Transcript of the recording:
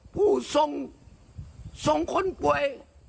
ผู้ส่งส่งคนป่วย